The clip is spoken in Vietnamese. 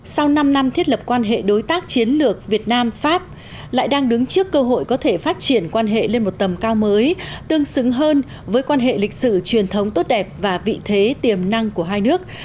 sau năm năm thiết lập quan hệ đối tác chiến lược việt nam pháp lại đang đứng trước cơ hội có thể phát triển quan hệ lên một tầm cao mới tương xứng hơn với quan hệ lịch sử truyền thống tốt đẹp và vị thế tiềm năng của hai nước